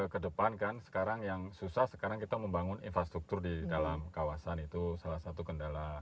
kedepan kan sekarang yang susah sekarang kita membangun infrastruktur di dalam kawasan itu salah satu kendala